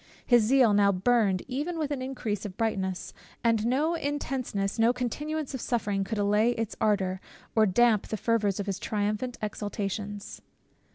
His zeal now burned even with an increase of brightness; and no intenseness, no continuance of suffering could allay its ardor, or damp the fervors of his triumphant exultations.